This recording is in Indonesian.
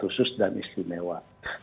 khusus dan istimewa